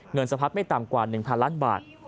สะพัดไม่ต่ำกว่า๑๐๐ล้านบาท